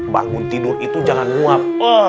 bangun tidur itu jangan muap